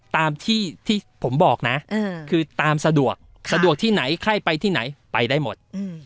ตามที่ผมบอกนะคือตามสะดวกสะดวกที่ไหนใครไปที่ไหนไปได้หมด